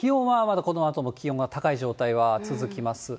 気温はまだこのあとも、気温は高い状態が続きます。